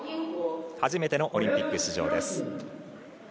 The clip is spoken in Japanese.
初めてのオリンピック出場です。